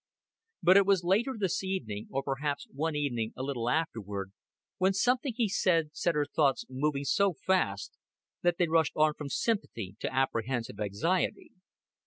But it was later this evening, or perhaps one evening a little afterward, when something he said set her thoughts moving so fast that they rushed on from sympathy to apprehensive anxiety.